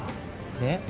えっ？